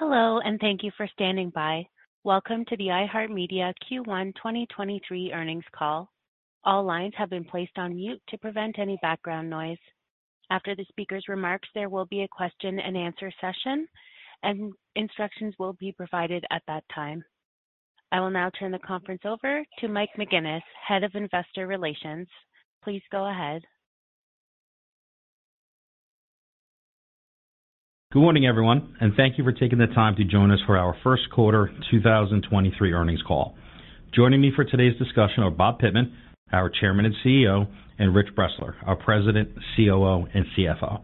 Hello, thank you for standing by. Welcome to the iHeartMedia Q1 2023 earnings call. All lines have been placed on mute to prevent any background noise. After the speaker's remarks, there will be a question-and-answer session. Instructions will be provided at that time. I will now turn the conference over to Mike McGuinness, Head of Investor Relations. Please go ahead. Good morning, everyone. Thank you for taking the time to join us for our first quarter 2023 earnings call. Joining me for today's discussion are Bob Pittman, our Chairman and CEO, and Rich Bressler, our President, COO, and CFO.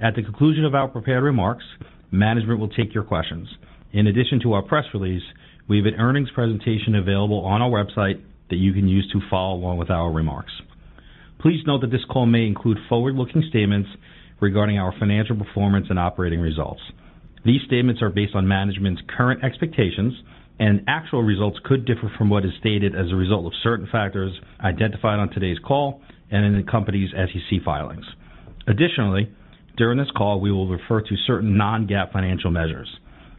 At the conclusion of our prepared remarks, management will take your questions. In addition to our press release, we have an earnings presentation available on our website that you can use to follow along with our remarks. Please note that this call may include forward-looking statements regarding our financial performance and operating results. These statements are based on management's current expectations, and actual results could differ from what is stated as a result of certain factors identified on today's call and in the company's SEC filings. Additionally, during this call, we will refer to certain non-GAAP financial measures.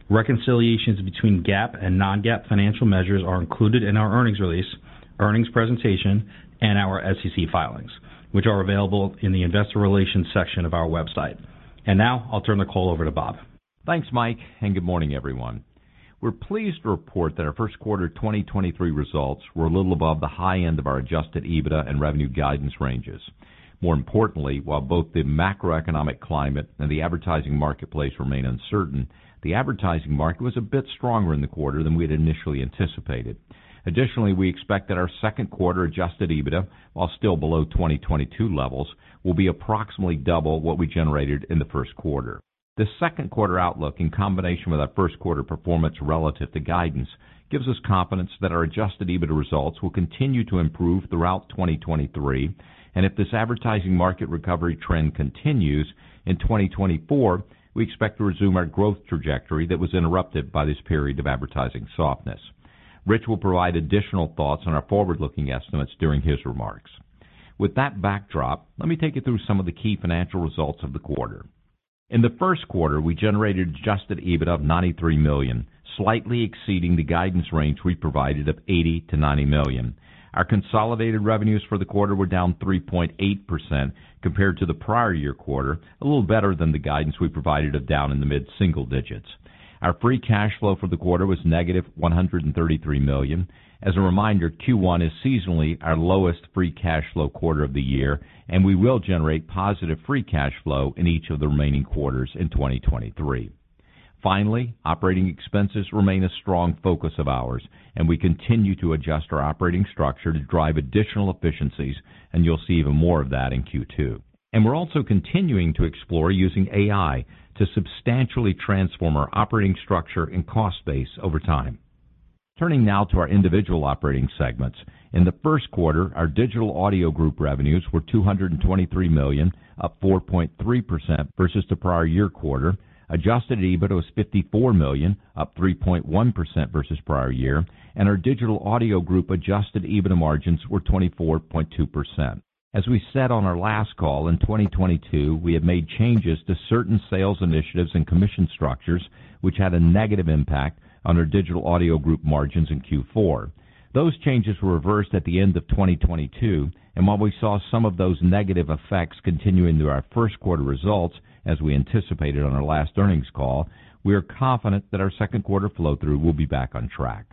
Reconciliations between GAAP and non-GAAP financial measures are included in our earnings release, earnings presentation, and our SEC filings, which are available in the investor relations section of our website. Now I'll turn the call over to Bob. Thanks, Mike McGuinnes. Good morning, everyone. We're pleased to report that our first quarter 2023 results were a little above the high end of our adjusted EBITDA and revenue guidance ranges. More importantly, while both the macroeconomic climate and the advertising marketplace remain uncertain, the advertising market was a bit stronger in the quarter than we had initially anticipated. Additionally, we expect that our second quarter adjusted EBITDA, while still below 2022 levels, will be approximately double what we generated in the first quarter. The second quarter outlook, in combination with our first quarter performance relative to guidance, gives us confidence that our adjusted EBITDA results will continue to improve throughout 2023. If this advertising market recovery trend continues in 2024, we expect to resume our growth trajectory that was interrupted by this period of advertising softness. Rich will provide additional thoughts on our forward-looking estimates during his remarks. With that backdrop, let me take you through some of the key financial results of the quarter. In the first quarter, we generated adjusted EBITDA of $93 million, slightly exceeding the guidance range we provided of $80 million-$90 million. Our consolidated revenues for the quarter were down 3.8% compared to the prior year quarter, a little better than the guidance we provided of down in the mid-single digits. Our free cash flow for the quarter was negative $133 million. As a reminder, Q1 is seasonally our lowest free cash flow quarter of the year, and we will generate positive free cash flow in each of the remaining quarters in 2023. Finally, operating expenses remain a strong focus of ours, and we continue to adjust our operating structure to drive additional efficiencies, and you'll see even more of that in Q2. We're also continuing to explore using AI to substantially transform our operating structure and cost base over time. Turning now to our individual operating segments. In the first quarter, our Digital Audio Group revenues were $223 million, up 4.3% versus the prior year quarter. adjusted EBITDA was $54 million, up 3.1% versus prior year, and our Digital Audio Group adjusted EBITDA margins were 24.2%. We said on our last call, in 2022 we have made changes to certain sales initiatives and commission structures which had a negative impact on our Digital Audio Group margins in Q4. Those changes were reversed at the end of 2022, and while we saw some of those negative effects continuing through our first quarter results, as we anticipated on our last earnings call, we are confident that our second quarter flow-through will be back on track.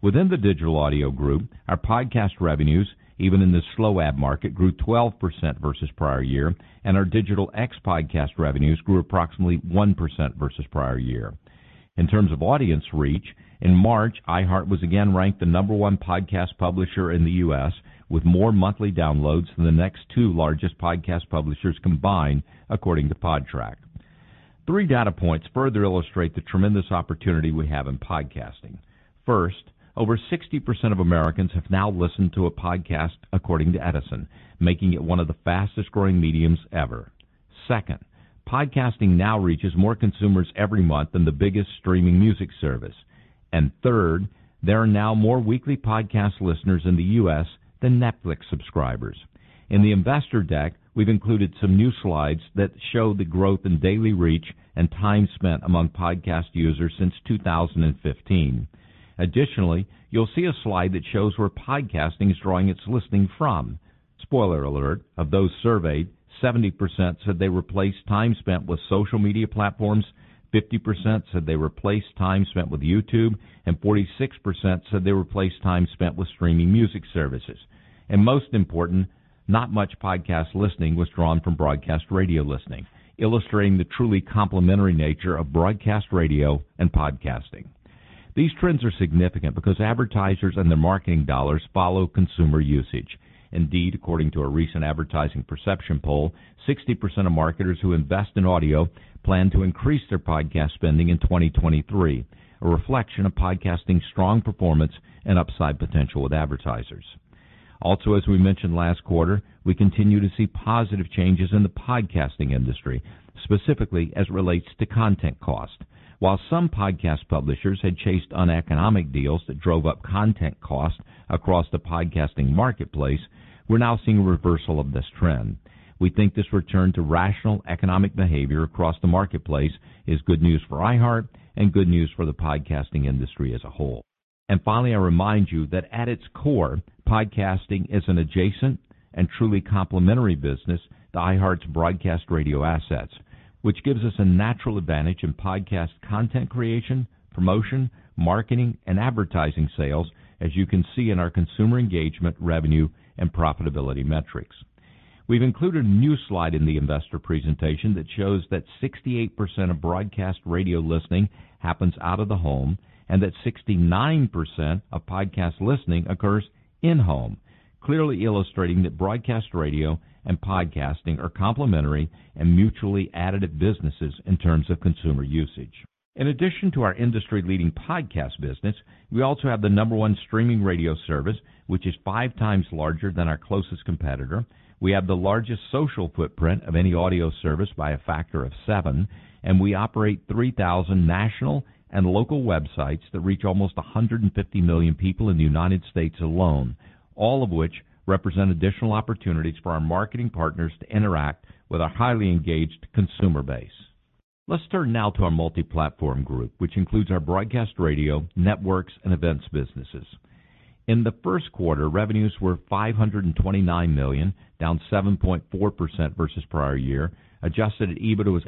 Within the Digital Audio Group, our podcast revenues, even in this slow ad market, grew 12% versus prior year, and our Digital X podcast revenues grew approximately 1% versus prior year. In terms of audience reach, in March, iHeart was again ranked the number one podcast publisher in the U.S., with more monthly downloads than the next two largest podcast publishers combined, according to Podtrac. Three data points further illustrate the tremendous opportunity we have in podcasting. First, over 60% of Americans have now listened to a podcast according to Edison, making it one of the fastest growing mediums ever. Second, podcasting now reaches more consumers every month than the biggest streaming music service. Third, there are now more weekly podcast listeners in the U.S. than Netflix subscribers. In the investor deck, we've included some new slides that show the growth in daily reach and time spent among podcast users since 2015. You'll see a slide that shows where podcasting is drawing its listening from. Spoiler alert, of those surveyed, 70% said they replaced time spent with social media platforms, 50% said they replaced time spent with YouTube, and 46% said they replaced time spent with streaming music services. Most important, not much podcast listening was drawn from broadcast radio listening, illustrating the truly complementary nature of broadcast radio and podcasting. These trends are significant because advertisers and their marketing dollars follow consumer usage. Indeed, according to a recent Advertiser Perceptions poll, 60% of marketers who invest in audio plan to increase their podcast spending in 2023, a reflection of podcasting's strong performance and upside potential with advertisers. As we mentioned last quarter, we continue to see positive changes in the podcasting industry, specifically as it relates to content cost. While some podcast publishers had chased uneconomic deals that drove up content costs across the podcasting marketplace, we're now seeing a reversal of this trend. We think this return to rational economic behavior across the marketplace is good news for iHeart and good news for the podcasting industry as a whole. Finally, I remind you that at its core, podcasting is an adjacent and truly complementary business to iHeart's broadcast radio assets, which gives us a natural advantage in podcast content creation, promotion, marketing, and advertising sales, as you can see in our consumer engagement revenue and profitability metrics. We've included a new slide in the investor presentation that shows that 68% of broadcast radio listening happens out of the home, and that 69% of podcast listening occurs in-home. Clearly illustrating that broadcast radio and podcasting are complementary and mutually additive businesses in terms of consumer usage. In addition to our industry-leading podcast business, we also have the number one streaming radio service, which is 5 times larger than our closest competitor. We have the largest social footprint of any audio service by a factor of seven. We operate 3,000 national and local websites that reach almost 150 million people in the U.S. alone, all of which represent additional opportunities for our marketing partners to interact with our highly engaged consumer base. Let's turn now to our Multiplatform Group, which includes our broadcast radio, networks, and events businesses. In the first quarter, revenues were $529 million, down 7.4% versus prior year. adjusted EBIT was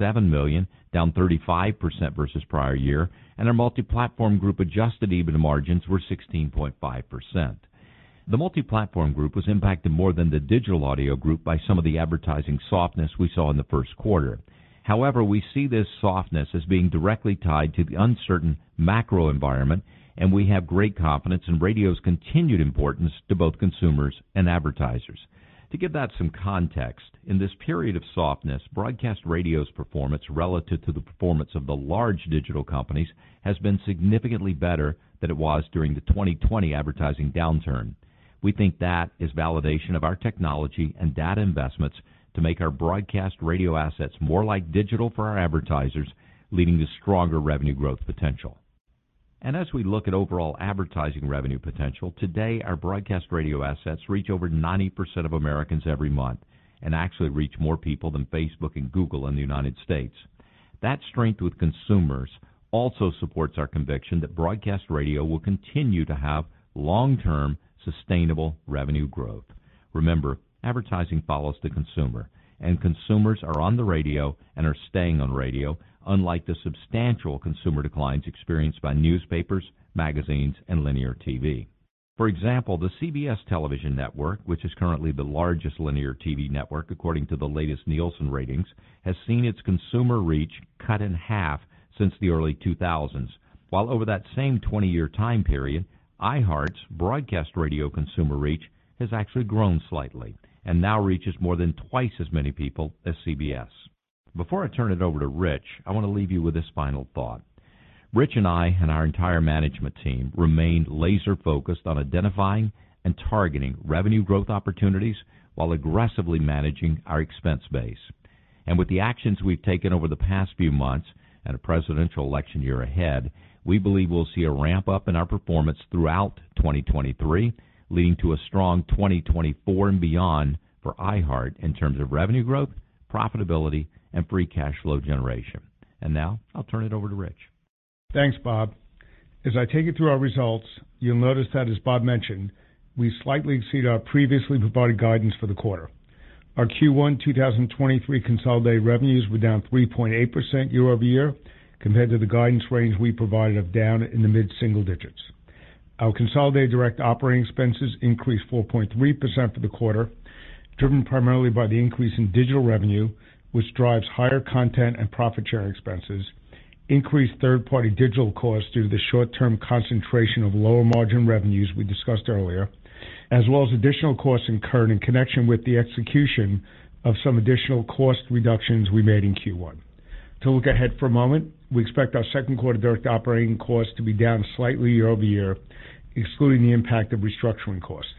$87 million, down 35% versus prior year. Our Multiplatform Group adjusted EBIT margins were 16.5%. The Multiplatform Group was impacted more than the Digital Audio Group by some of the advertising softness we saw in the first quarter. However, we see this softness as being directly tied to the uncertain macro environment, and we have great confidence in radio's continued importance to both consumers and advertisers. To give that some context, in this period of softness, broadcast radio's performance relative to the performance of the large digital companies has been significantly better than it was during the 2020 advertising downturn. We think that is validation of our technology and data investments to make our broadcast radio assets more like digital for our advertisers, leading to stronger revenue growth potential. As we look at overall advertising revenue potential, today, our broadcast radio assets reach over 90% of Americans every month and actually reach more people than Facebook and Google in the U.S. That strength with consumers also supports our conviction that broadcast radio will continue to have long-term sustainable revenue growth. Remember, advertising follows the consumer, consumers are on the radio and are staying on radio, unlike the substantial consumer declines experienced by newspapers, magazines, and linear TV. For example, the CBS Television Network, which is currently the largest linear TV network according to the latest Nielsen ratings, has seen its consumer reach cut in half since the early 2000s. While over that same 20-year time period, iHeart's broadcast radio consumer reach has actually grown slightly and now reaches more than twice as many people as CBS. Before I turn it over to Rich, I want to leave you with this final thought. Rich and I and our entire management team remain laser-focused on identifying and targeting revenue growth opportunities while aggressively managing our expense base. With the actions we've taken over the past few months at a presidential election year ahead, we believe we'll see a ramp-up in our performance throughout 2023, leading to a strong 2024 and beyond for iHeart in terms of revenue growth, profitability, and free cash flow generation. Now I'll turn it over to Rich. Thanks, Bob. As I take you through our results, you'll notice that, as Bob mentioned, we slightly exceed our previously provided guidance for the quarter. Our Q1 2023 consolidated revenues were down 3.8% year-over-year compared to the guidance range we provided of down in the mid-single digits. Our consolidated direct operating expenses increased 4.3% for the quarter, driven primarily by the increase in digital revenue, which drives higher content and profit share expenses, increased third-party digital costs due to the short-term concentration of lower margin revenues we discussed earlier, as well as additional costs incurred in connection with the execution of some additional cost reductions we made in Q1. To look ahead for a moment, we expect our second quarter direct operating costs to be down slightly year-over-year, excluding the impact of restructuring costs.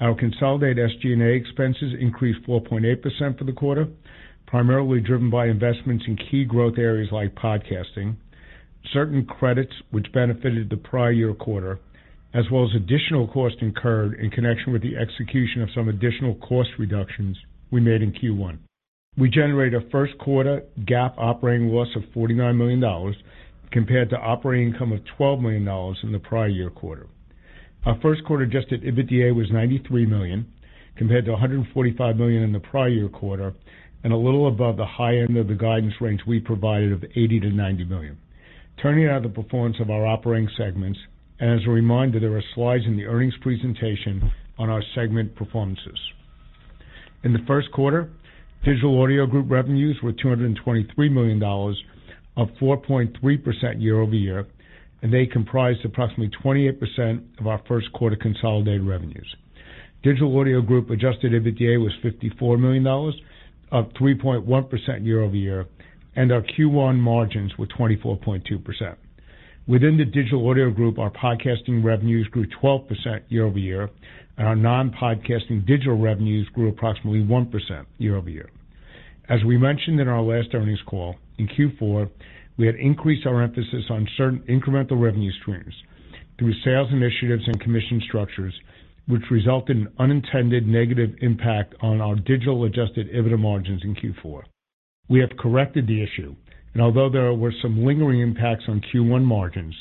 Our consolidated SG&A expenses increased 4.8% for the quarter, primarily driven by investments in key growth areas like podcasting, certain credits which benefited the prior year quarter, as well as additional costs incurred in connection with the execution of some additional cost reductions we made in Q1. We generated a first quarter GAAP operating loss of $49 million compared to operating income of $12 million in the prior year quarter. Our first quarter adjusted EBITDA was $93 million compared to $145 million in the prior year quarter and a little above the high end of the guidance range we provided of $80 million-$90 million. Turning now to the performance of our operating segments. As a reminder, there are slides in the earnings presentation on our segment performances. In the first quarter, Digital Audio Group revenues were $223 million, up 4.3% year-over-year. They comprised approximately 28% of our first quarter consolidated revenues. Digital Audio Group adjusted EBITDA was $54 million, up 3.1% year-over-year. Our Q1 margins were 24.2%. Within the Digital Audio Group, our podcasting revenues grew 12% year-over-year. Our non-podcasting digital revenues grew approximately 1% year-over-year. As we mentioned in our last earnings call, in Q4, we had increased our emphasis on certain incremental revenue streams through sales initiatives and commission structures, which resulted in unintended negative impact on our Digital adjusted EBITDA margins in Q4. We have corrected the issue, although there were some lingering impacts on Q1 margins,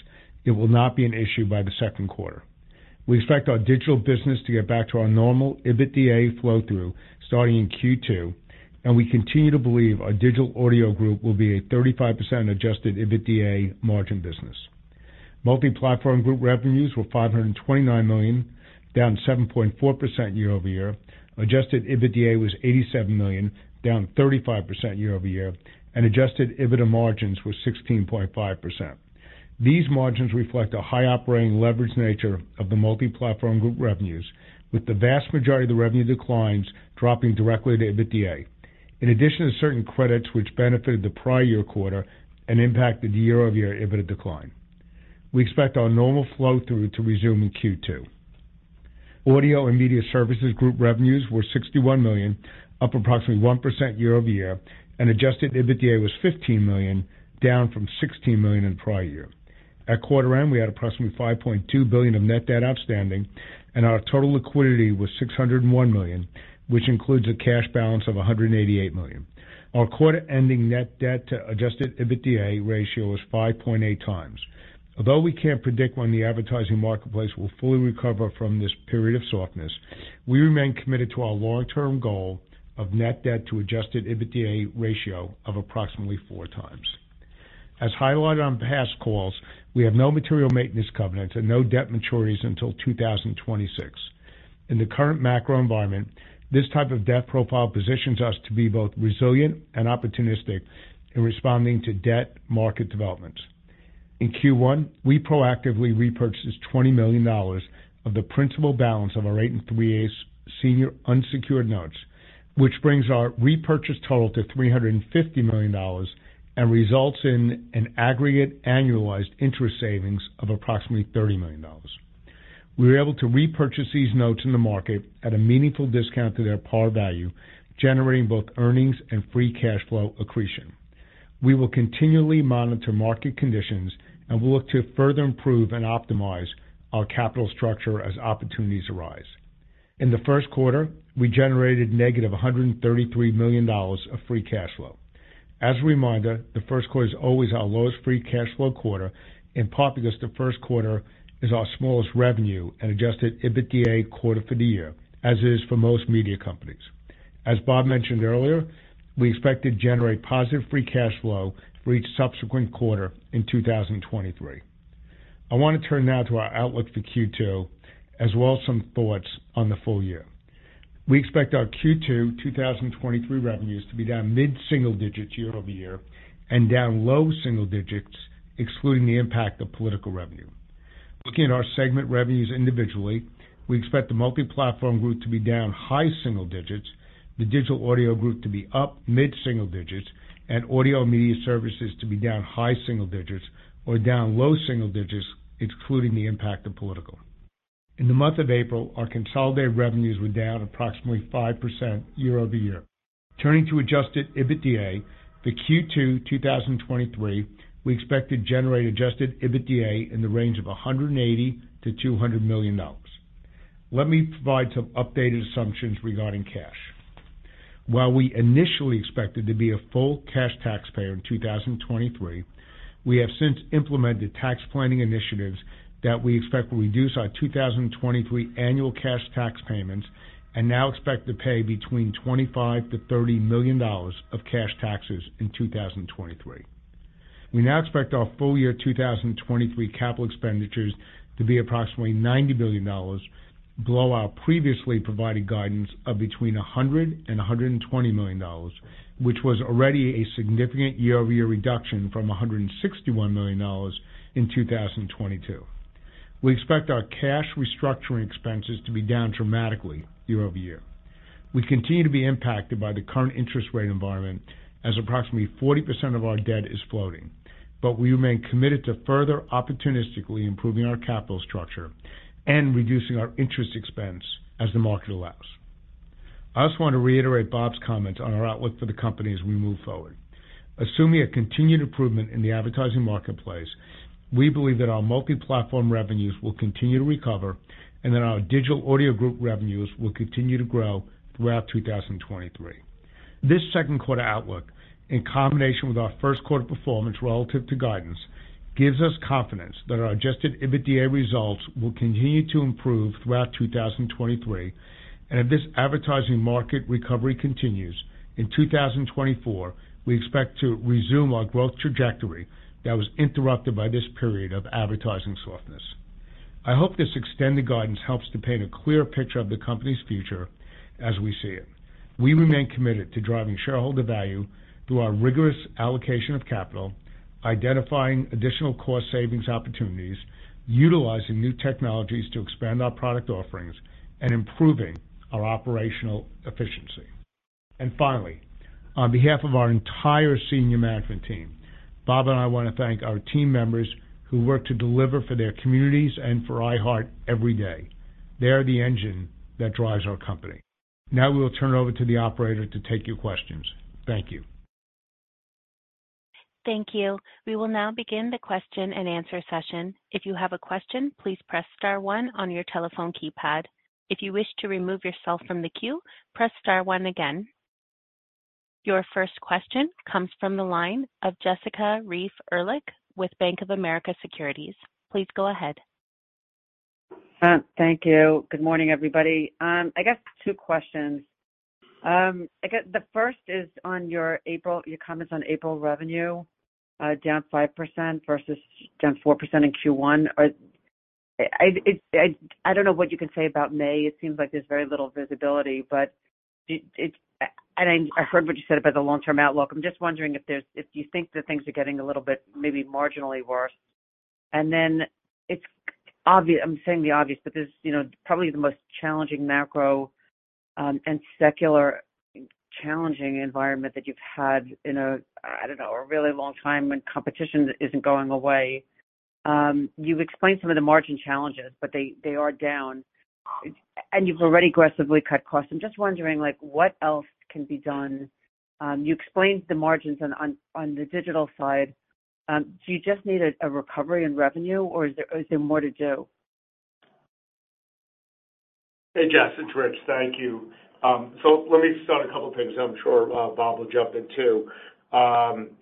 it will not be an issue by the second quarter. We expect our Digital business to get back to our normal EBITDA flow through starting in Q2, we continue to believe our Digital Audio Group will be a 35% adjusted EBITDA margin business. Multiplatform Group revenues were $529 million, down 7.4% year-over-year. Adjusted EBITDA was $87 million, down 35% year-over-year, adjusted EBITDA margins were 16.5%. These margins reflect a high operating leverage nature of the Multiplatform Group revenues, with the vast majority of the revenue declines dropping directly to EBITDA. In addition to certain credits which benefited the prior year quarter and impacted year-over-year EBITDA decline. We expect our normal flow through to resume in Q2. Audio & Media Services Group revenues were $61 million, up approximately 1% year-over-year, and adjusted EBITDA was $15 million, down from $16 million in prior year. At quarter end, we had approximately $5.2 billion of net debt outstanding and our total liquidity was $601 million, which includes a cash balance of $188 million. Our quarter ending net debt to adjusted EBITDA ratio was 5.8 times. Although we can't predict when the advertising marketplace will fully recover from this period of softness, we remain committed to our long-term goal of net debt to adjusted EBITDA ratio of approximately 4 times. As highlighted on past calls, we have no material maintenance covenants and no debt maturities until 2026. In the current macro environment, this type of debt profile positions us to be both resilient and opportunistic in responding to debt market developments. In Q1, we proactively repurchased $20 million of the principal balance of our 8.375% Senior Unsecured Notes, which brings our repurchase total to $350 million and results in an aggregate annualized interest savings of approximately $30 million. We were able to repurchase these notes in the market at a meaningful discount to their par value, generating both earnings and free cash flow accretion. We will continually monitor market conditions and will look to further improve and optimize our capital structure as opportunities arise. In the first quarter, we generated -$133 million of free cash flow. As a reminder, the first quarter is always our lowest free cash flow quarter, in part because the first quarter is our smallest revenue and adjusted EBITDA quarter for the year, as is for most media companies. As Bob mentioned earlier, we expect to generate positive free cash flow for each subsequent quarter in 2023. I want to turn now to our outlook for Q2 as well as some thoughts on the full year. We expect our Q2 2023 revenues to be down mid-single digits year-over-year and down low single digits excluding the impact of political revenue. Looking at our segment revenues individually, we expect the Multiplatform Group to be down high single digits, the Digital Audio Group to be up mid-single digits, and Audio and Media Services to be down high single digits or down low single digits, excluding the impact of political. In the month of April, our consolidated revenues were down approximately 5% year-over-year. Turning to adjusted EBITDA for Q2 2023, we expect to generate adjusted EBITDA in the range of $180 million-$200 million. Let me provide some updated assumptions regarding cash. While we initially expected to be a full cash taxpayer in 2023, we have since implemented tax planning initiatives that we expect will reduce our 2023 annual cash tax payments and now expect to pay between $25 million-$30 million of cash taxes in 2023. We now expect our full year 2023 capital expenditures to be approximately $90 million below our previously provided guidance of between $100 million-$120 million, which was already a significant year-over-year reduction from $161 million in 2022. We expect our cash restructuring expenses to be down dramatically year-over-year. We continue to be impacted by the current interest rate environment as approximately 40% of our debt is floating. We remain committed to further opportunistically improving our capital structure and reducing our interest expense as the market allows. I also want to reiterate Bob's comment on our outlook for the company as we move forward. Assuming a continued improvement in the advertising marketplace, we believe that our multi-platform revenues will continue to recover and that our Digital Audio Group revenues will continue to grow throughout 2023. This second quarter outlook, in combination with our first quarter performance relative to guidance, gives us confidence that our adjusted EBITDA results will continue to improve throughout 2023, and if this advertising market recovery continues, in 2024, we expect to resume our growth trajectory that was interrupted by this period of advertising softness. I hope this extended guidance helps to paint a clear picture of the company's future as we see it. We remain committed to driving shareholder value through our rigorous allocation of capital, identifying additional cost savings opportunities, utilizing new technologies to expand our product offerings, and improving our operational efficiency. Finally, on behalf of our entire senior management team, Bob and I want to thank our team members who work to deliver for their communities and for iHeart every day. They are the engine that drives our company. We will turn it over to the operator to take your questions. Thank you. Thank you. We will now begin the question-and-answer session. If you have a question, please press star one on your telephone keypad. If you wish to remove yourself from the queue, press star one again. Your first question comes from the line of Jessica Reif Ehrlich with Bank of America Securities. Please go ahead. Thank you. Good morning, everybody. I guess two questions. I guess the first is on your April comments on April revenue, down 5% versus down 4% in Q1. I don't know what you can say about May. It seems like there's very little visibility, but it... I heard what you said about the long-term outlook. I'm just wondering if you think that things are getting a little bit maybe marginally worse. Then it's obvious. I'm saying the obvious, but this, you know, probably the most challenging macro and secular challenging environment that you've had in a, I don't know, a really long time, and competition isn't going away. You've explained some of the margin challenges, but they are down. You've already aggressively cut costs. I'm just wondering, like, what else can be done? You explained the margins on the digital side. Do you just need a recovery in revenue, or is there more to do? Hey, Jess, it's Rich. Thank you. Let me start a couple things. I'm sure Bob will jump in too.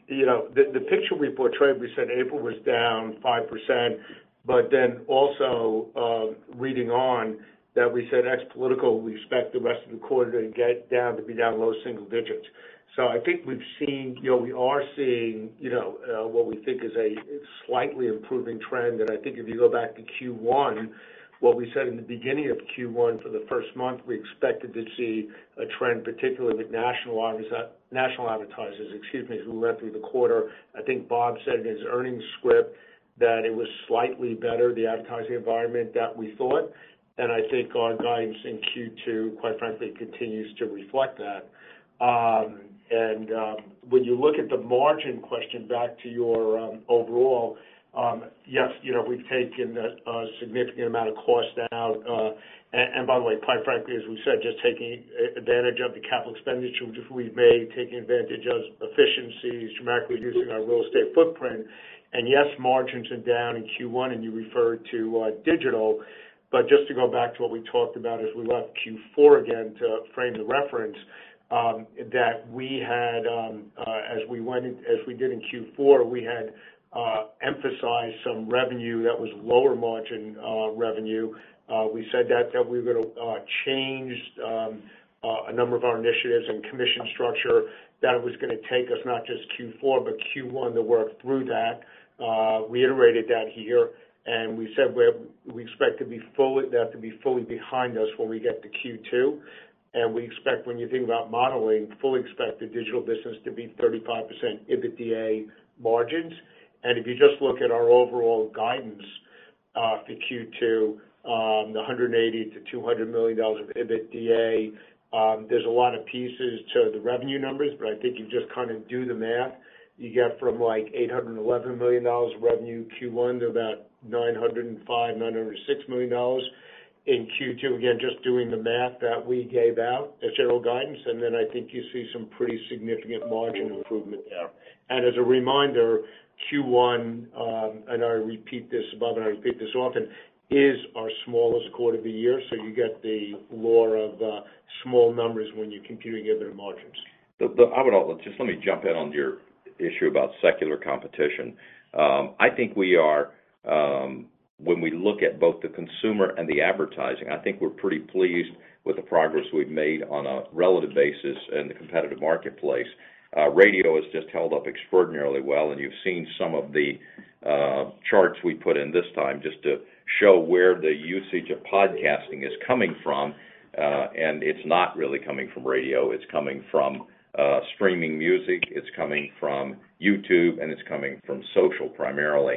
you know, the picture we portrayed, we said April was down 5%, also, leading on that we said ex political, we expect the rest of the quarter to get down, to be down low single digits. I think we've seen, you know, we are seeing, you know, what we think is a slightly improving trend. I think if you go back to Q1, what we said in the beginning of Q1 for the first month, we expected to see a trend, particularly with national advertisers, excuse me, who went through the quarter. I think Bob said in his earnings script that it was slightly better, the advertising environment that we thought. I think our guidance in Q2, quite frankly, continues to reflect that. When you look at the margin question back to your overall, yes, you know, we've taken a significant amount of cost down. By the way, quite frankly, as we said, just taking advantage of the capital expenditure, which if we've made, taking advantage of efficiencies, dramatically reducing our real estate footprint. Yes, margins are down in Q1, and you referred to digital. Just to go back to what we talked about as we left Q4, again, to frame the reference that we had as we did in Q4, we had emphasized some revenue that was lower margin revenue. We said that we were gonna change a number of our initiatives and commission structure, that it was gonna take us not just Q4, but Q1 to work through that. Reiterated that here. We said we expect that to be fully behind us when we get to Q2. We expect when you think about modeling, fully expect the digital business to be 35% EBITDA margins. If you just look at our overall guidance for Q2, the $180 million-$200 million of EBITDA, there's a lot of pieces to the revenue numbers, but I think you just kinda do the math. You get from, like, $811 million revenue Q1 to about $905 million-$906 million in Q2. Just doing the math that we gave out as general guidance, then I think you see some pretty significant margin improvement there. As a reminder, Q1, and I repeat this above, and I repeat this often, is our smallest quarter of the year, so you get the lure of small numbers when you're computing EBITDA margins. I would also... Just let me jump in on your issue about secular competition. I think we are, when we look at both the consumer and the advertising, I think we're pretty pleased with the progress we've made on a relative basis in the competitive marketplace. Radio has just held up extraordinarily well, and you've seen some of the charts we put in this time just to show where the usage of podcasting is coming from. It's not really coming from radio, it's coming from streaming music, it's coming from YouTube, and it's coming from social primarily,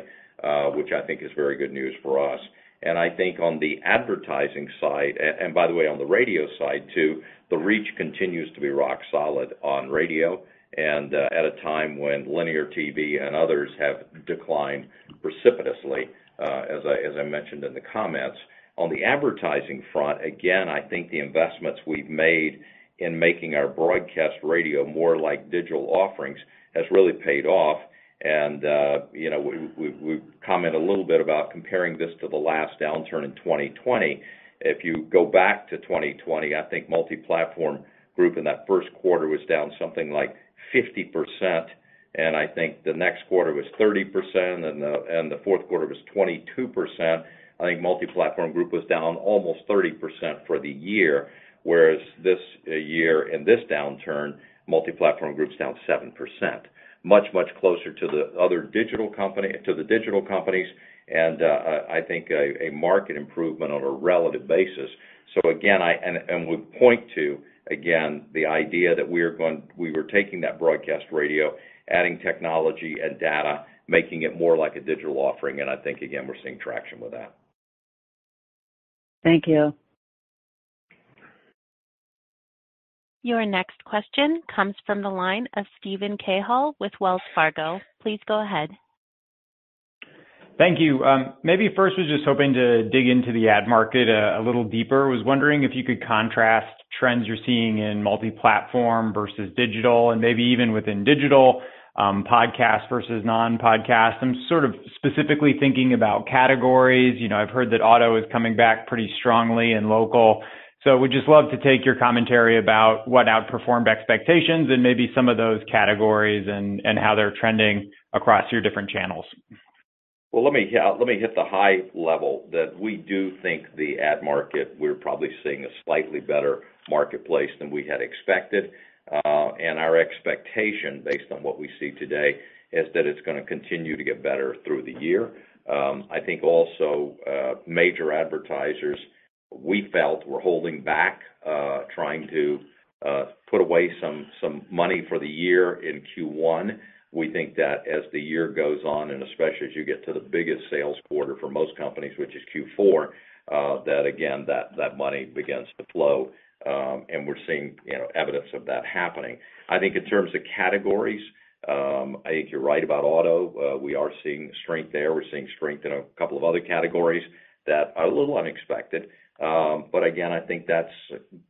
which I think is very good news for us. I think on the advertising side and by the way, on the radio side too, the reach continues to be rock solid on radio and at a time when linear TV and others have declined precipitously, as I, as I mentioned in the comments. On the advertising front, again, I think the investments we've made in making our broadcast radio more like digital offerings has really paid off. You know, we, we've comment a little bit about comparing this to the last downturn in 2020. If you go back to 2020, I think Multiplatform Group in that first quarter was down something like 50%, and I think the next quarter was 30%, and the, and the fourth quarter was 22%. I think Multiplatform Group was down almost 30% for the year, whereas this year and this downturn, Multiplatform Group's down 7%. Much closer to the digital companies and I think a market improvement on a relative basis. Again, and we point to, again, the idea that we were taking that broadcast radio, adding technology and data, making it more like a digital offering. I think again, we're seeing traction with that. Thank you. Your next question comes from the line of Steven Cahall with Wells Fargo. Please go ahead. Thank you. Maybe first I was just hoping to dig into the ad market a little deeper. Was wondering if you could contrast trends you're seeing in multi-platform versus digital and maybe even within digital, podcast versus non-podcast? I'm sort of specifically thinking about categories. You know, I've heard that auto is coming back pretty strongly and local. Would just love to take your commentary about what outperformed expectations and maybe some of those categories and how they're trending across your different channels? Well, let me, yeah, let me hit the high level that we do think the ad market, we're probably seeing a slightly better marketplace than we had expected. Our expectation based on what we see today is that it's gonna continue to get better through the year. I think also, major advertisers we felt were holding back, trying to put away some money for the year in Q1. We think that as the year goes on, and especially as you get to the biggest sales quarter for most companies, which is Q4, that again that money begins to flow. We're seeing, you know, evidence of that happening. I think in terms of categories, I think you're right about auto. We are seeing strength there. We're seeing strength in a couple of other categories that are a little unexpected. Again, I think that's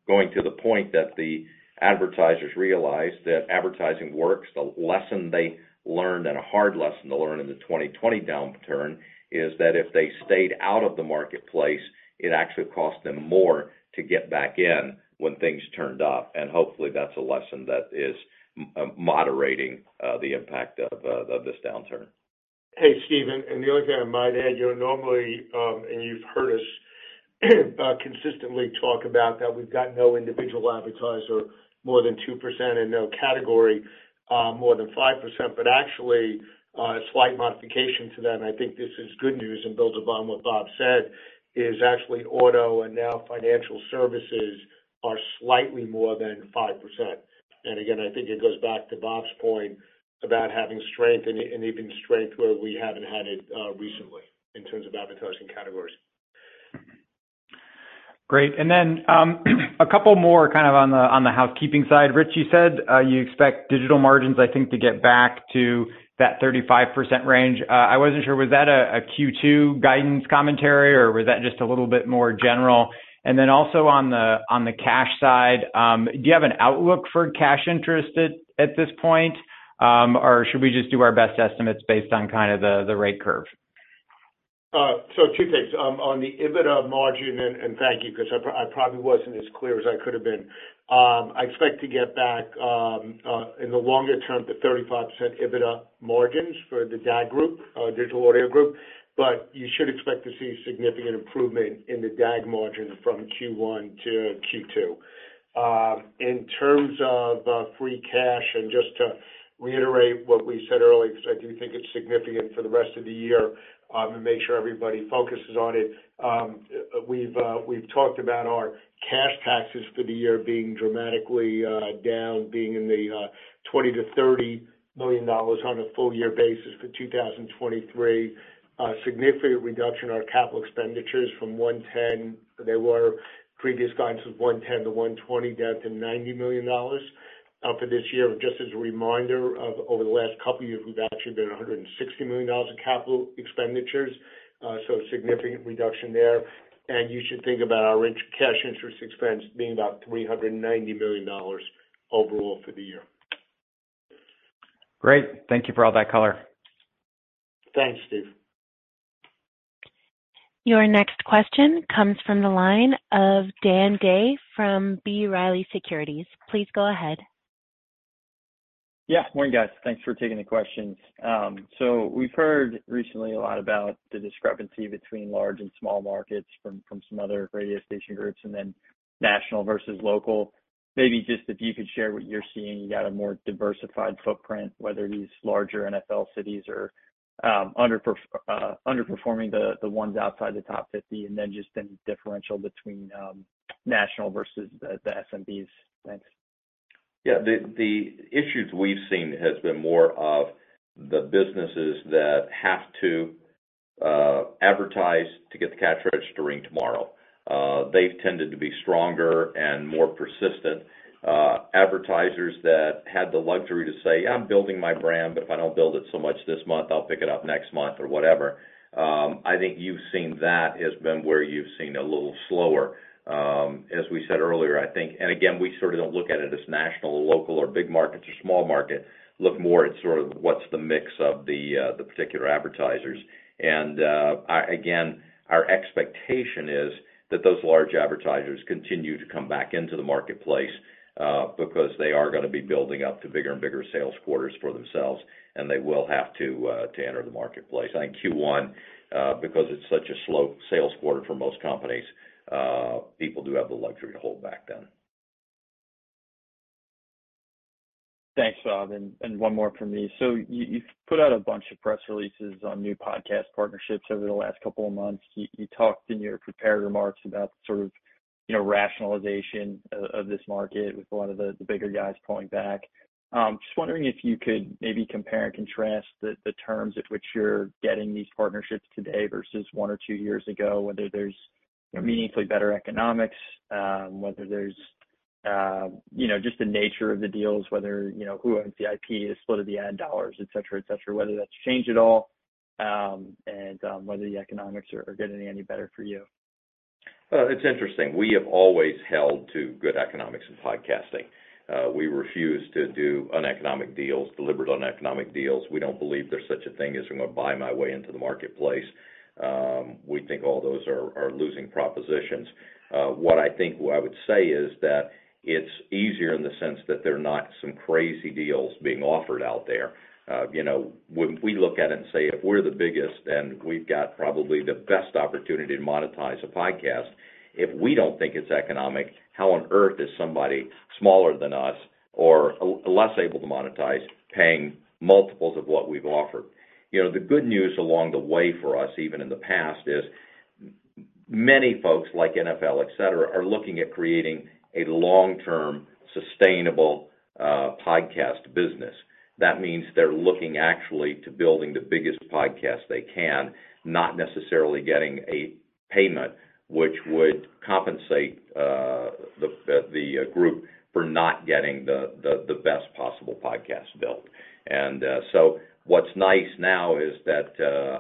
going to the point that the advertisers realize that advertising works. The lesson they learned, and a hard lesson to learn in the 2020 downturn is that if they stayed out of the marketplace, it actually cost them more to get back in when things turned up. Hopefully, that's a lesson that is moderating the impact of this downturn. Hey, Steve, the only thing I might add, you know, normally, and you've heard us, consistently talk about that we've got no individual advertiser more than 2% and no category, more than 5%. Actually, a slight modification to that, and I think this is good news and builds upon what Bob said, is actually auto and now financial services are slightly more than 5%. Again, I think it goes back to Bob's point about having strength and even strength where we haven't had it recently in terms of advertising categories. Great. A couple more kind of on the, on the housekeeping side. Rich, you said, you expect digital margins, I think, to get back to that 35% range. I wasn't sure, was that a Q2 guidance commentary, or was that just a little bit more general? Also on the, on the cash side, do you have an outlook for cash interest at this point? Or should we just do our best estimates based on kind of the rate curve? Two things. On the EBITDA margin, and thank you, 'cause I probably wasn't as clear as I could have been. I expect to get back in the longer term to 35% EBITDA margins for the DAG group, Digital Audio Group. You should expect to see significant improvement in the DAG margin from Q1 to Q2. In terms of free cash, and just to reiterate what we said earlier, 'cause I do think it's significant for the rest of the year, and make sure everybody focuses on it. We've talked about our cash taxes for the year being dramatically down, being in the $20 million-$30 million on a full year basis for 2023. A significant reduction in our capital expenditures from $110 million. They were previous guidance of $110-$120, down to $90 million for this year. Just as a reminder of over the last couple of years, we've actually done $160 million in capital expenditures, so a significant reduction there. You should think about our cash interest expense being about $390 million overall for the year. Great. Thank you for all that color. Thanks, Steve. Your next question comes from the line of Dan Day from B. Riley Securities. Please go ahead. Yeah. Morning, guys. Thanks for taking the questions. We've heard recently a lot about the discrepancy between large and small markets from some other radio station groups and then national versus local. Maybe just if you could share what you're seeing. You got a more diversified footprint, whether these larger NFL cities are underperforming the ones outside the top 50 and then just any differential between national versus the SMBs. Thanks. Yeah. The issues we've seen has been more of the businesses that have to advertise to get the cash register ring tomorrow. They've tended to be stronger and more persistent. Advertisers that had the luxury to say, "I'm building my brand, but if I don't build it so much this month, I'll pick it up next month," or whatever. I think you've seen that has been where you've seen a little slower. As we said earlier, I think, and again, we sort of don't look at it as national or local or big markets or small market. Look more at sort of what's the mix of the particular advertisers. Again, our expectation is that those large advertisers continue to come back into the marketplace, because they are gonna be building up to bigger and bigger sales quarters for themselves, and they will have to enter the marketplace. I think Q1, because it's such a slow sales quarter for most companies, people do have the luxury to hold back then. Thanks, Bob, and one more from me. You've put out a bunch of press releases on new podcast partnerships over the last couple of months. You talked in your prepared remarks about sort of, you know, rationalization of this market with a lot of the bigger guys pulling back. Just wondering if you could maybe compare and contrast the terms at which you're getting these partnerships today versus one or two years ago, whether there's meaningfully better economics, you know, just the nature of the deals, whether, you know, who owns the IP is split of the ad dollars, et cetera. Whether that's changed at all, and whether the economics are getting any better for you. Well, it's interesting. We have always held to good economics in podcasting. We refuse to do uneconomic deals, deliberate uneconomic deals. We don't believe there's such a thing as I'm gonna buy my way into the marketplace. We think all those are losing propositions. What I would say is that it's easier in the sense that there are not some crazy deals being offered out there. You know, when we look at it and say, if we're the biggest then we've got probably the best opportunity to monetize a podcast. If we don't think it's economic, how on earth is somebody smaller than us or less able to monetize paying multiples of what we've offered? You know, the good news along the way for us, even in the past, is many folks like NFL, et cetera, are looking at creating a long-term, sustainable, podcast business. That means they're looking actually to building the biggest podcast they can, not necessarily getting a payment which would compensate the group for not getting the best possible podcast built. So what's nice now is that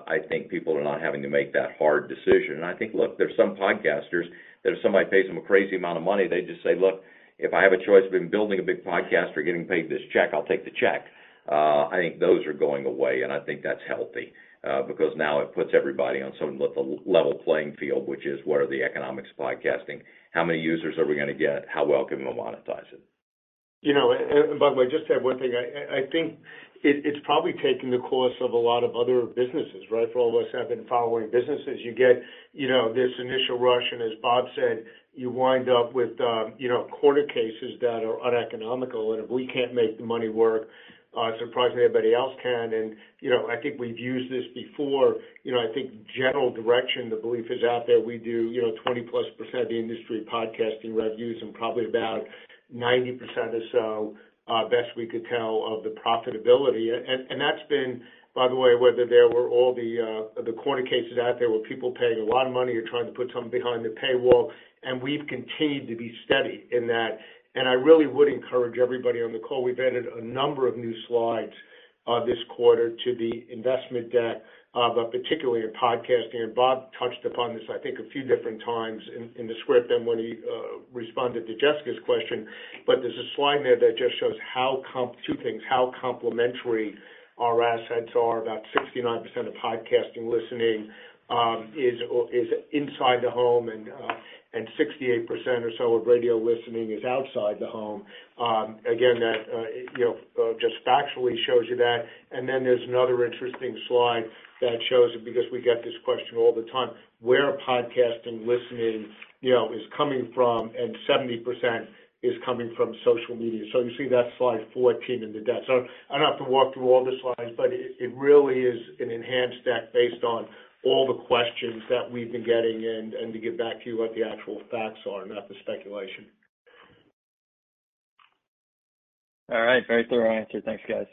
I think people are not having to make that hard decision. I think, look, there's some podcasters that if somebody pays them a crazy amount of money, they just say, "Look, if I have a choice between building a big podcast or getting paid this check, I'll take the check." I think those are going away, and I think that's healthy, because now it puts everybody on some level playing field, which is what are the economics of podcasting? How many users are we gonna get? How well can we monetize it? You know, by the way, just to add one thing. I think it's probably taking the course of a lot of other businesses, right? For all of us have been following businesses, you get, you know, this initial rush, and as Bob said, you wind up with, you know, quarter cases that are uneconomical. If we can't make the money work, I'm surprised anybody else can. You know, I think we've used this before. You know, I think general direction, the belief is out there. We do, you know, 20%+ of the industry podcasting revenues and probably about 90% or so, best we could tell of the profitability. And that's been, by the way, whether there were all the corner cases out there where people paying a lot of money or trying to put something behind the paywall, and we've continued to be steady in that. I really would encourage everybody on the call. We've added a number of new slides this quarter to the investment deck, but particularly in podcasting, and Bob touched upon this, I think, a few different times in the script and when he responded to Jessica's question. There's a slide there that just shows how two things, how complementary our assets are. About 69% of podcasting listening is inside the home and 68% or so of radio listening is outside the home. Again, that, you know, just factually shows you that. There's another interesting slide that shows it because we get this question all the time, where podcasting listening, you know, is coming from, 70% is coming from social media. You see that slide 14 in the deck. I don't have to walk through all the slides, but it really is an enhanced deck based on all the questions that we've been getting and to get back to you what the actual facts are, not the speculation. All right, very thorough answer. Thanks, guys.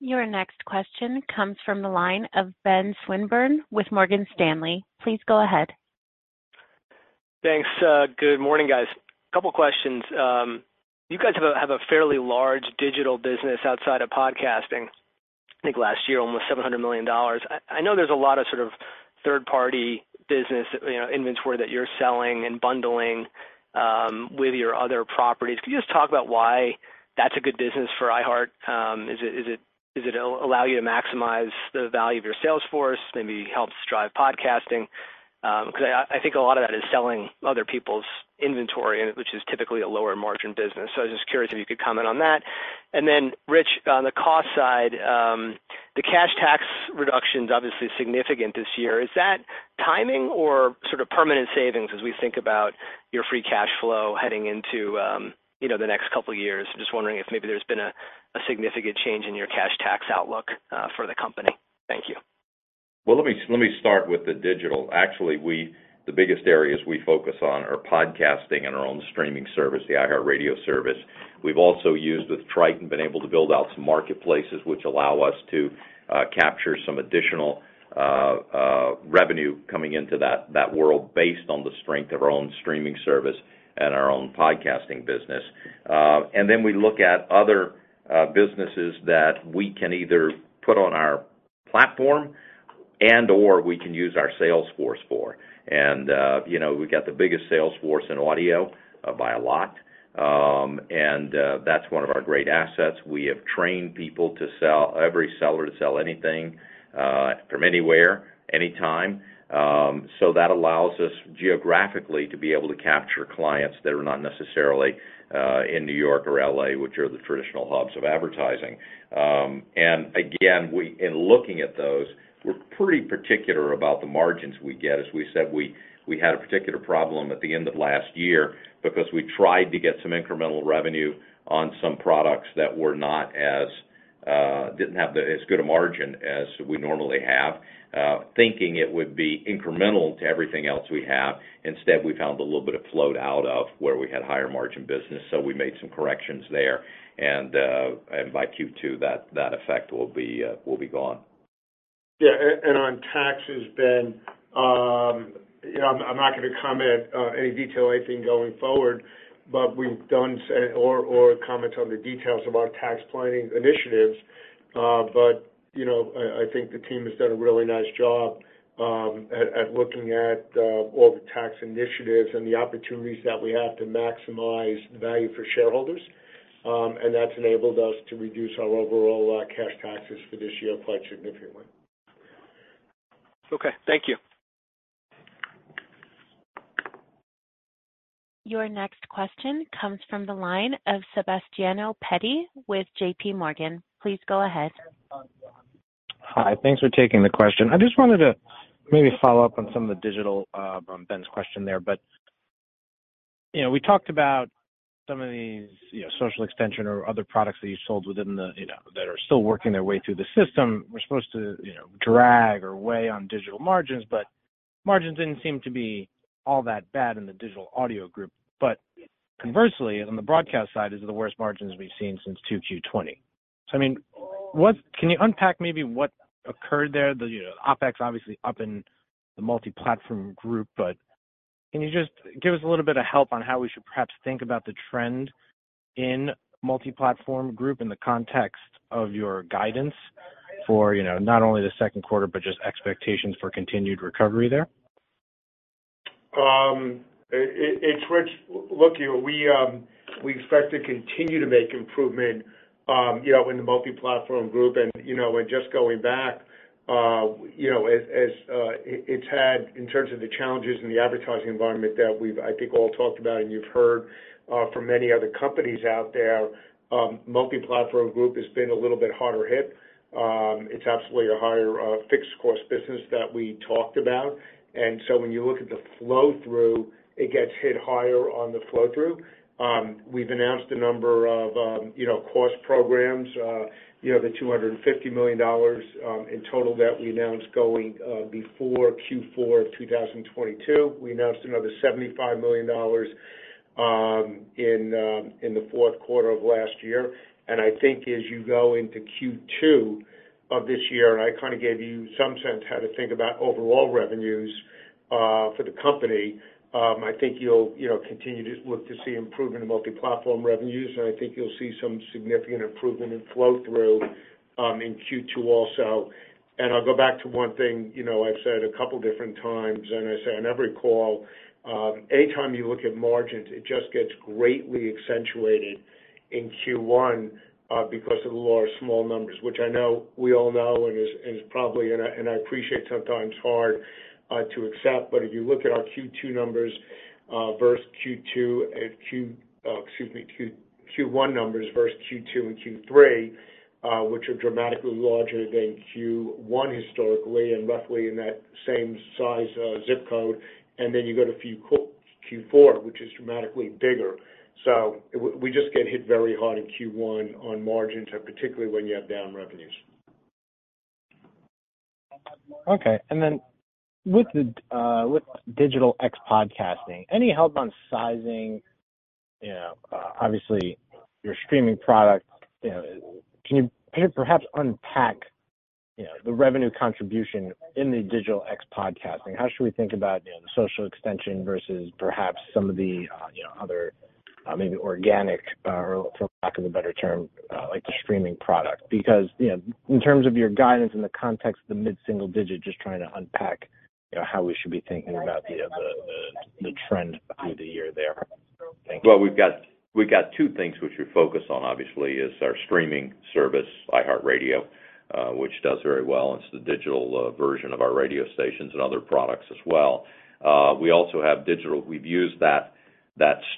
Your next question comes from the line of Ben Swinburne with Morgan Stanley. Please go ahead. Thanks. Good morning, guys. Couple questions. You guys have a fairly large digital business outside of podcasting. I think last year, almost $700 million. I know there's a lot of sort of third-party business, you know, inventory that you're selling and bundling with your other properties. Can you just talk about why that's a good business for iHeart? Is it allow you to maximize the value of your sales force, maybe helps drive podcasting? 'Cause I think a lot of that is selling other people's inventory, and which is typically a lower margin business. I was just curious if you could comment on that. Rich, on the cost side, the cash tax reduction's obviously significant this year. Is that timing or sort of permanent savings as we think about your free cash flow heading into, you know, the next couple of years? Just wondering if maybe there's been a significant change in your cash tax outlook for the company. Thank you. Well, let me start with the digital. Actually, the biggest areas we focus on are podcasting and our own streaming service, the iHeartRadio service. We've also used with Triton, been able to build out some marketplaces which allow us to capture some additional revenue coming into that world based on the strength of our own streaming service and our own podcasting business. We look at other businesses that we can either put on our platform and/or we can use our sales force for. You know, we've got the biggest sales force in audio by a lot. That's one of our great assets. We have trained people to sell every seller to sell anything from anywhere, anytime. That allows us geographically to be able to capture clients that are not necessarily in New York or LA, which are the traditional hubs of advertising. Again, in looking at those, we're pretty particular about the margins we get. As we said, we had a particular problem at the end of last year because we tried to get some incremental revenue on some products that were not as, didn't have the, as good a margin as we normally have, thinking it would be incremental to everything else we have. Instead, we found a little bit of float out of where we had higher margin business, so we made some corrections there. By Q2, that effect will be gone. Yeah, on taxes, Ben, you know, I'm not gonna comment on any detail, anything going forward, but we've done say or comment on the details of our tax planning initiatives. You know, I think the team has done a really nice job, at looking at, all the tax initiatives and the opportunities that we have to maximize the value for shareholders. That's enabled us to reduce our overall, cash taxes for this year quite significantly. Okay. Thank you. Your next question comes from the line of Sebastiano Petti with JP Morgan. Please go ahead. Hi. Thanks for taking the question. I just wanted to maybe follow up on some of the digital, Ben's question there. You know, we talked about some of these, you know, social extension or other products that you sold within the, you know, that are still working their way through the system were supposed to, you know, drag or weigh on digital margins, but margins didn't seem to be all that bad in the Digital Audio Group. Conversely, on the broadcast side is the worst margins we've seen since 2Q 2020. I mean, Can you unpack maybe what occurred there? The, you know, OpEx obviously up in the Multiplatform Group, but can you just give us a little bit of help on how we should perhaps think about the trend in Multiplatform Group in the context of your guidance for, you know, not only the second quarter but just expectations for continued recovery there? It's Rich, you know, we expect to continue to make improvement, you know, in the Multiplatform Group. You know, and just going back, you know, as, it's had in terms of the challenges in the advertising environment that we've, I think, all talked about and you've heard from many other companies out there, Multiplatform Group has been a little bit harder hit. It's absolutely a higher fixed cost business that we talked about. When you look at the flow-through, it gets hit higher on the flow-through. We've announced a number of, you know, cost programs, you know, the $250 million in total that we announced going before Q4 of 2022. We announced another $75 million in the fourth quarter of last year. I think as you go into Q2 of this year, and I kind of gave you some sense how to think about overall revenues for the company, I think you'll, you know, continue to look to see improvement in Multiplatform revenues, and I think you'll see some significant improvement in flow-through in Q2 also. I'll go back to one thing, you know, I've said a couple different times, and I say on every call, anytime you look at margins, it just gets greatly accentuated in Q1 because of the lower small numbers, which I know we all know and is probably, and I appreciate sometimes hard to accept. If you look at our Q1 numbers versus Q2 and Q3, which are dramatically larger than Q1 historically and roughly in that same size zip code, and then you go to Q4, which is dramatically bigger. We just get hit very hard in Q1 on margins, particularly when you have down revenues. Okay. With Digital X podcasting, any help on sizing, you know, obviously your streaming product, you know, can you, can you perhaps unpack, you know, the revenue contribution in the Digital X podcasting? How should we think about, you know, the social extension versus perhaps some of the, you know, other, maybe organic, or for lack of a better term, like the streaming product? Because, you know, in terms of your guidance in the context of the mid-single digit, just trying to unpack, you know, how we should be thinking about the trend through the year there. Thank you. Well, we've got two things which we focus on, obviously, is our streaming service, iHeartRadio, which does very well, and it's the digital version of our radio stations and other products as well. We also have digital. We've used that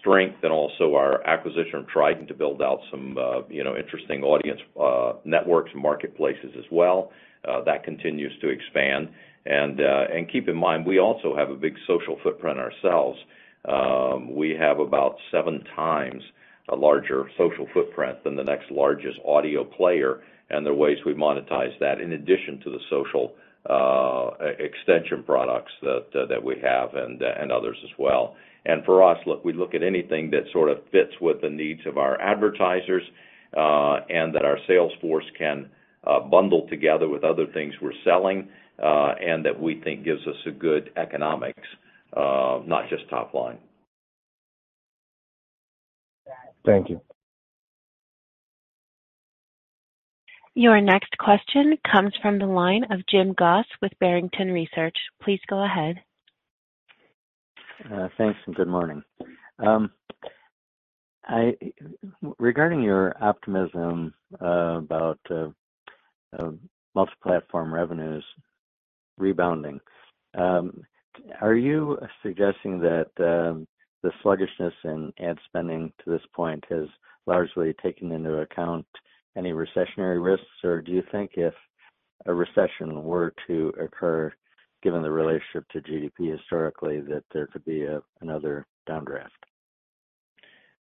strength and also our acquisition of Triton to build out some, you know, interesting audience networks and marketplaces as well. That continues to expand. Keep in mind, we also have a big social footprint ourselves. We have about seven times a larger social footprint than the next largest audio player, and the ways we monetize that in addition to the social e-extension products that we have and others as well. For us, look, we look at anything that sort of fits with the needs of our advertisers, and that our sales force can bundle together with other things we're selling, and that we think gives us a good economics, not just top line. Thank you. Your next question comes from the line of Jim Goss with Barrington Research. Please go ahead. Thanks and good morning. Regarding your optimism, about multi-platform revenues rebounding, are you suggesting that the sluggishness in ad spending to this point has largely taken into account any recessionary risks? Do you think if a recession were to occur, given the relationship to GDP historically, that there could be another downdraft?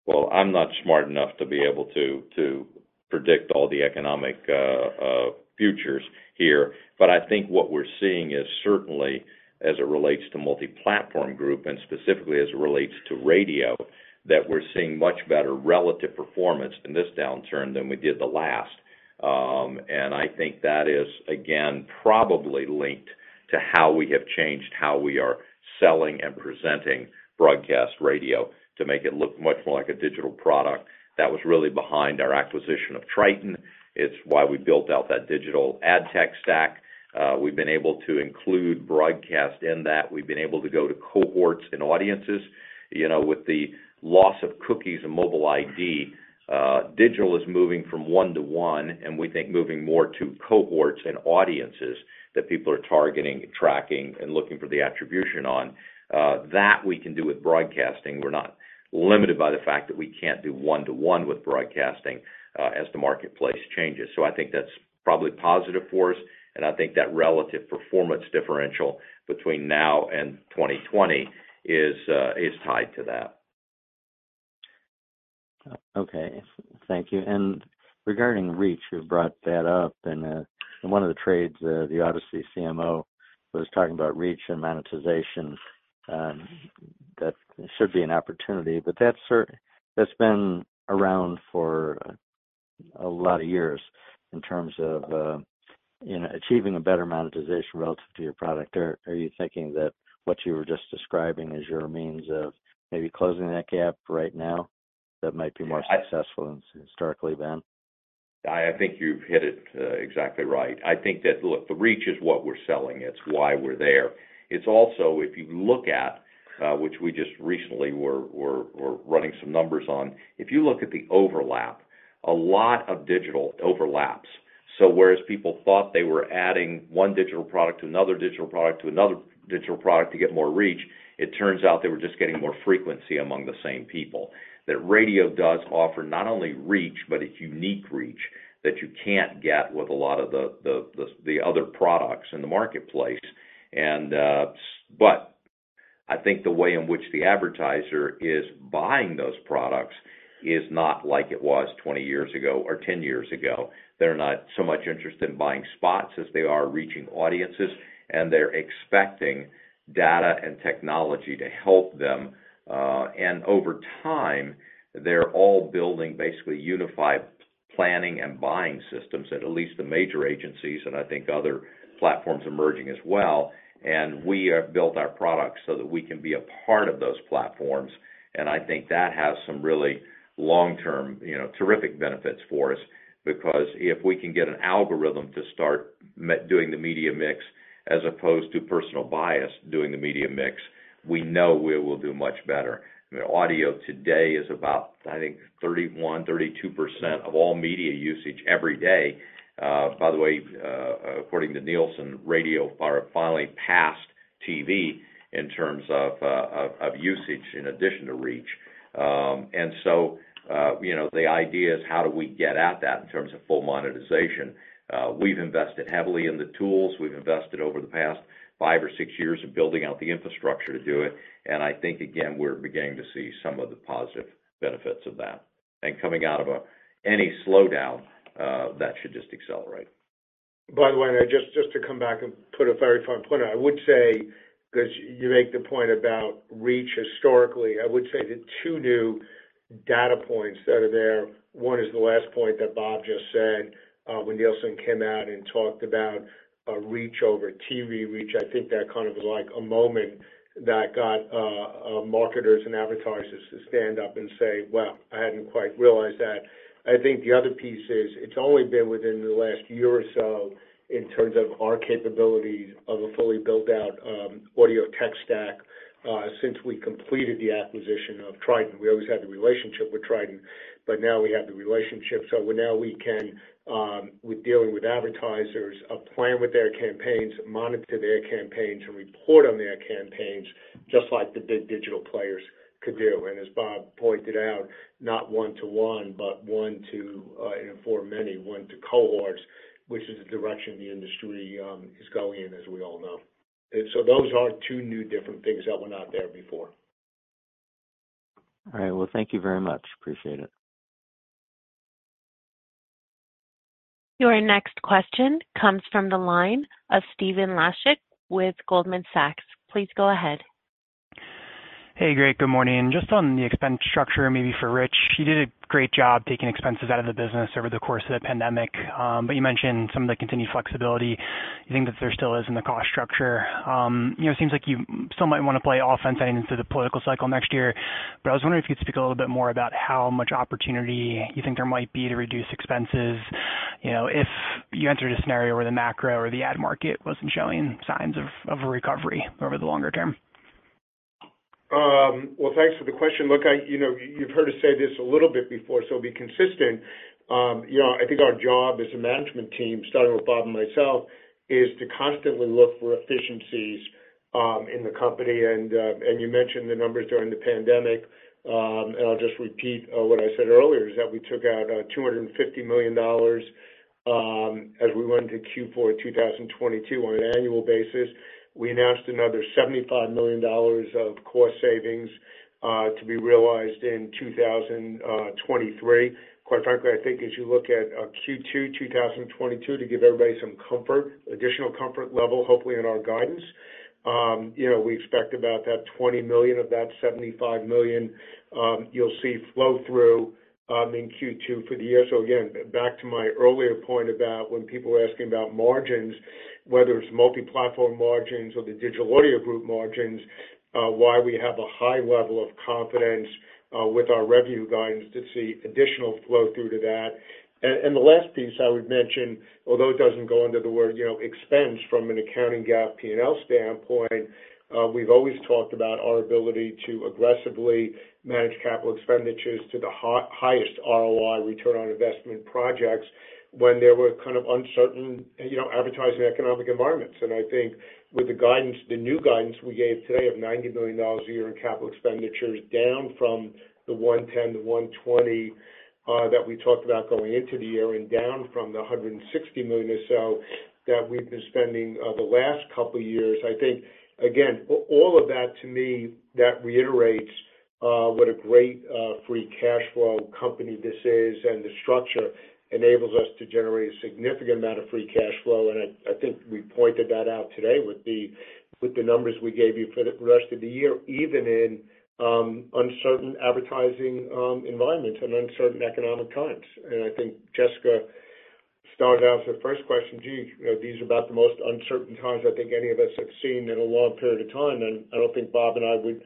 Well, I'm not smart enough to be able to predict all the economic futures here. I think. seeing is certainly as it relates to Multiplatform Group and specifically as it relates to radio, that we're seeing much better relative performance in this downturn than we did the last. I think that is, again, probably linked to how we have changed how we are selling and presenting broadcast radio to make it look much more like a digital product. That was really behind our acquisition of Triton. It's why we built out that digital ad tech stack. We've been able to include broadcast in that. We've been able to go to cohorts and audiences, you know, with the loss of cookies and mobile ID, digital is moving from one-to-one, and we think moving more to cohorts and audiences that people are targeting, tracking, and looking for the attribution on, that we can do with broadcasting. We're not limited by the fact that we can't do one-to-one with broadcasting, as the marketplace changes. I think that's probably positive for us, and I think that relative performance differential between now and 2020 is tied to that. Okay. Thank you. Regarding reach, you've brought that up, and, in one of the trades, the Audacy CMO was talking about reach and monetization, that should be an opportunity. That's been around for a lot of years in terms of, you know, achieving a better monetization relative to your product. Are you thinking that what you were just describing is your means of maybe closing that gap right now that might be more successful than historically then? I think you've hit it exactly right. I think that, look, the reach is what we're selling. It's why we're there. It's also, if you look at, which we just recently were running some numbers on, if you look at the overlap, a lot of digital overlaps. Whereas people thought they were adding one digital product to another digital product to another digital product to get more reach, it turns out they were just getting more frequency among the same people. That radio does offer not only reach, but a unique reach that you can't get with a lot of the other products in the marketplace. I think the way in which the advertiser is buying those products is not like it was 20 years ago or 10 years ago. They're not so much interested in buying spots as they are reaching audiences, and they're expecting data and technology to help them. Over time, they're all building basically unified planning and buying systems at least the major agencies, and I think other platforms emerging as well. We have built our products so that we can be a part of those platforms. I think that has some really long-term, you know, terrific benefits for us because if we can get an algorithm to start doing the media mix as opposed to personal bias doing the media mix, we know we will do much better. The audio today is about, I think, 31%, 32% of all media usage every day. By the way, according to Nielsen, radio finally passed TV in terms of usage in addition to reach. You know, the idea is how do we get at that in terms of full monetization? We've invested heavily in the tools. We've invested over the past five or six years of building out the infrastructure to do it. I think, again, we're beginning to see some of the positive benefits of that. Coming out of any slowdown, that should just accelerate. By the way, just to come back and put a very fine point on it. I would say, 'cause you make the point about reach historically. I would say the two new data points that are there, one is the last point that Bob just said, when Nielsen came out and talked about reach over TV reach. I think that kind of like a moment that got marketers and advertisers to stand up and say, "Well, I hadn't quite realized that." I think the other piece is it's only been within the last year or so in terms of our capability of a fully built out audio tech stack since we completed the acquisition of Triton. We always had the relationship with Triton, but now we have the relationship. Now we can, with dealing with advertisers, plan with their campaigns, monitor their campaigns, and report on their campaigns just like the big digital players could do. As Bob pointed out, not one-to-one, but one to, you know, for many, one to cohorts, which is the direction the industry is going in as we all know. Those are two new different things that were not there before. All right. Well, thank you very much. Appreciate it. Your next question comes from the line of Stephen Laszczyk with Goldman Sachs. Please go ahead. Hey, great. Good morning. Just on the expense structure, maybe for Rich, you did a great job taking expenses out of the business over the course of the pandemic. You mentioned some of the continued flexibility you think that there still is in the cost structure. You know, it seems like you still might wanna play offense heading into the political cycle next year. I was wondering if you could speak a little bit more about how much opportunity you think there might be to reduce expenses, you know, if you entered a scenario where the macro or the ad market wasn't showing signs of a recovery over the longer term? Well, thanks for the question. Look, I, you know, you've heard us say this a little bit before, so it'll be consistent. You know, I think our job as a management team, starting with Bob and myself, is to constantly look for efficiencies in the company. You mentioned the numbers during the pandemic. I'll just repeat what I said earlier, is that we took out $250 million as we went into Q4 of 2022 on an annual basis. We announced another $75 million of core savings to be realized in 2023. Quite frankly, I think as you look at Q2 2022 to give everybody some comfort, additional comfort level, hopefully in our guidance, you know, we expect about that $20 million of that $75 million, you'll see flow through in Q2 for the year. Again, back to my earlier point about when people were asking about margins, whether it's Multiplatform Group margins or the Digital Audio Group margins, why we have a high level of confidence with our revenue guidance to see additional flow through to that. And the last piece I would mention, although it doesn't go under the word, you know, expense from an accounting GAAP P&L standpoint, we've always talked about our ability to aggressively manage capital expenditures to the highest ROI, return on investment projects when there were kind of uncertain, you know, advertising economic environments. I think with the guidance, the new guidance we gave today of $90 million a year in capital expenditures, down from the $110-$120 that we talked about going into the year and down from the $160 million or so that we've been spending the last couple of years, I think again, all of that to me, that reiterates what a great free cash flow company this is, and the structure enables us to generate a significant amount of free cash flow. I think we pointed that out today with the numbers we gave you for the rest of the year, even in uncertain advertising environments and uncertain economic times. I think Jessica started out with the first question, gee, you know, these are about the most uncertain times I think any of us have seen in a long period of time, and I don't think Bob and I would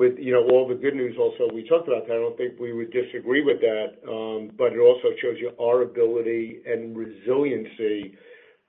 with, you know, all the good news also we talked about today, I don't think we would disagree with that. It also shows you our ability and resiliency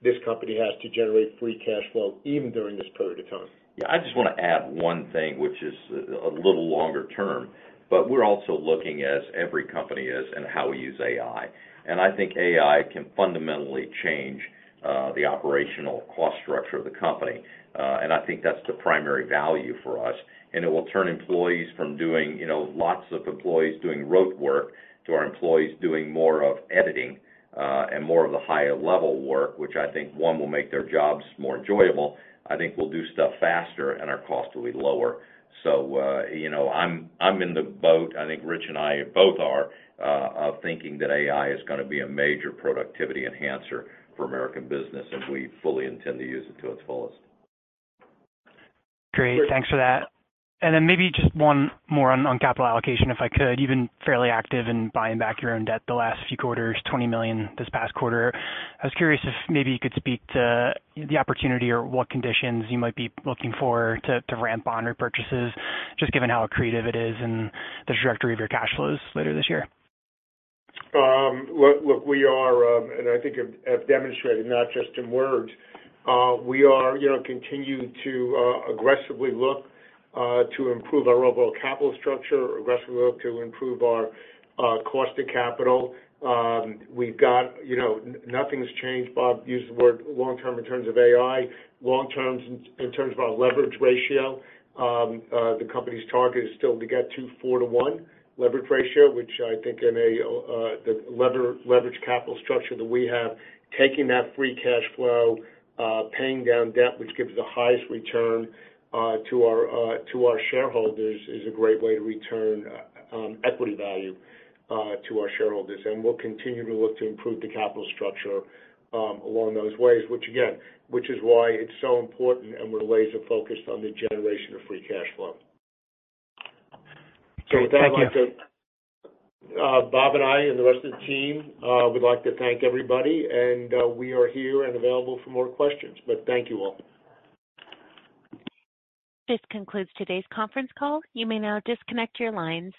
this company has to generate free cash flow even during this period of time. Yeah. I just wanna add one thing, which is a little longer term, but we're also looking as every company is and how we use AI. I think AI can fundamentally change the operational cost structure of the company. I think that's the primary value for us. It will turn employees from doing, you know, lots of employees doing rote work to our employees doing more of editing and more of the higher level work, which I think, one, will make their jobs more enjoyable, I think we'll do stuff faster and our cost will be lower. You know, I'm in the boat, I think Rich and I both are of thinking that AI is gonna be a major productivity enhancer for American Business, and we fully intend to use it to its fullest. Great. Thanks for that. Maybe just one more on capital allocation, if I could. You've been fairly active in buying back your own debt the last few quarters, $20 million this past quarter. I was curious if maybe you could speak to the opportunity or what conditions you might be looking for to ramp on repurchases, just given how accretive it is and the trajectory of your cash flows later this year. Look, we are, and I think have demonstrated not just in words, we are, you know, continuing to aggressively look to improve our overall capital structure, aggressively look to improve our cost of capital. We've got, you know, nothing's changed. Bob used the word long term in terms of AI. Long term in terms of our leverage ratio, the company's target is still to get to 4 to 1 leverage ratio, which I think in a leverage capital structure that we have, taking that free cash flow, paying down debt, which gives the highest return to our shareholders is a great way to return equity value to our shareholders. we'll continue to look to improve the capital structure, along those ways, which again, which is why it's so important and we're laser focused on the generation of free cash flow. Okay. Thank you. With that, I'd like to Bob and I and the rest of the team, would like to thank everybody, and we are here and available for more questions. Thank you all. This concludes today's conference call. You may now disconnect your lines.